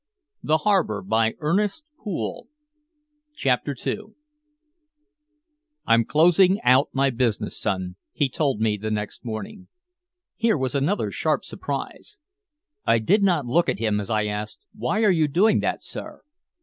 What was it he was thinking? CHAPTER II "I'm closing out my business, son," he told me the next morning. Here was another sharp surprise. I did not look at him as I asked: "Why are you doing that, sir?"